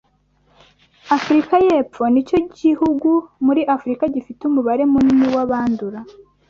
Afurika yepfo nicyo kihugu muri afurika gifite umubare munini wa bandura